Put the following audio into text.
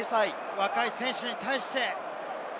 若い選手に対して。